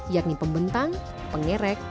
yakni pembentang pengerek